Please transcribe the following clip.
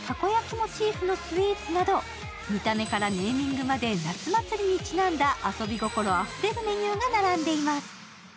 モチーフのスイーツなど、見た目からネーミングまで夏祭りにちなんだ遊び心あふれるメニューが並んでいます。